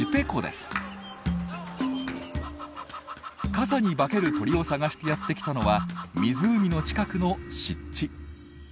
傘に化ける鳥を探してやって来たのは湖の近くの湿地。